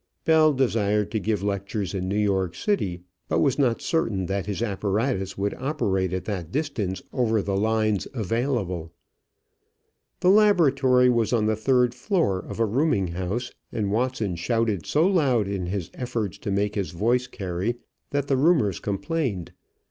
Bell desired to give lectures in New York City, but was not certain that his apparatus would operate at that distance over the lines available. The laboratory was on the third floor of a rooming house, and Watson shouted so loud in his efforts to make his voice carry that the roomers complained.